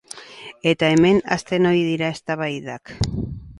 Eta hemen hasten ohi dira eztabaidak.